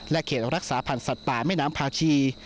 เขตรักษาพันธ์สัตว์ป่าแม่น้ำพาชี